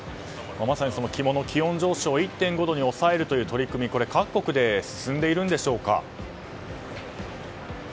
まさに肝の気温上昇を１．５度に抑えるという取り組みは各国で進んでいるんでしょうか。